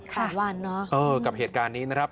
สัปดาห์นเนอะอ้อกับเหตุการณ์นี้นะครับ